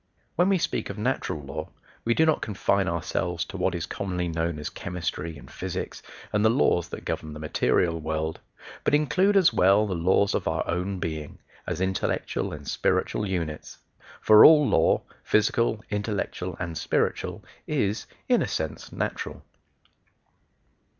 When we speak of natural law we do not confine ourselves to what is commonly known as chemistry and physics, and the laws that govern the material world, but include as well the laws of our own being, as intellectual and spiritual units. For all law, physical, intellectual, and spiritual, is in a sense natural.